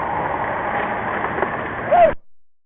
สวัสดีครับทุกคน